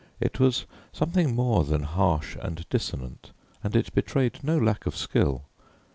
It was something more than harsh and dissonant, and it betrayed no lack of skill.